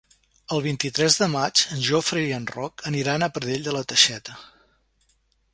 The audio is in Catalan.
El vint-i-tres de maig en Jofre i en Roc aniran a Pradell de la Teixeta.